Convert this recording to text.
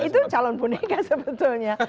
itu calon boneka sebetulnya